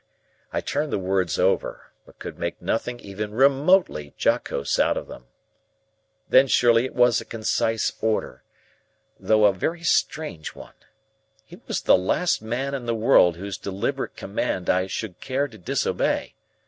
I turned the words over, but could make nothing even remotely jocose out of them. Then surely it was a concise order though a very strange one. He was the last man in the world whose deliberate command I should care to disobey.